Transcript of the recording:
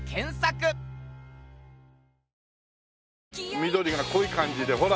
緑が濃い感じでほら。